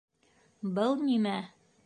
Был нимә?